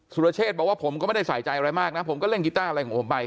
รเชษบอกว่าผมก็ไม่ได้ใส่ใจอะไรมากนะผมก็เล่นกีต้าอะไรของผมไป